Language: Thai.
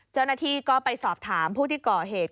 เจ้าหน้าที่ก็ไปสอบถามผู้ที่ก่อเหตุ